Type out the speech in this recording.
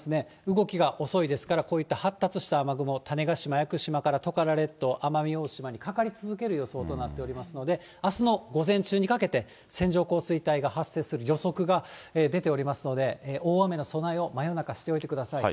動きが遅いですから、こういった発達した雨雲、種子島、屋久島からトカラ列島、奄美大島にかかり続ける予想となっておりますので、あすの午前中にかけて、線状降水帯が発生する予測が出ておりますので、大雨の備えを真夜中、しておいてください。